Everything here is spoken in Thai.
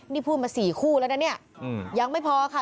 นี่พูดมา๔คู่แล้วนะเนี่ยยังไม่พอค่ะ